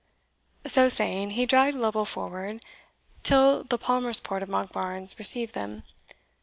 So saying he dragged Lovel forward, till the Palmer's port of Monkbarns received them.